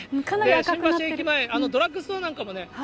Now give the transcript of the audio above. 新橋駅前、ドラッグストアなんかもね。